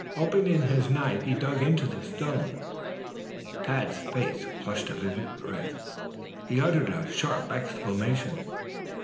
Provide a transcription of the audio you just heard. Opening his knife, he dug into the stone. Tad's face flushed a vivid red, and he uttered a sharp exclamation.